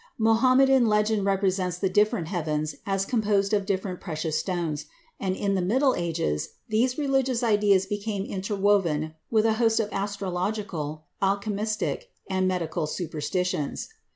Mohammedan legend represents the different heavens as composed of different precious stones, and in the Middle Ages these religious ideas became interwoven with a host of astrological, alchemistic, and medical superstitions.